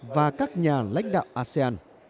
và các nhà lãnh đạo asean